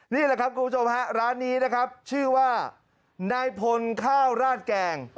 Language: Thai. นี่แหละครับคุณผู้ชมฮะร้านนี้นะครับชื่อว่านายพลข้าวราดแกง